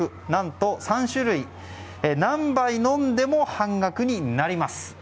何と３種類何杯飲んでも半額になります。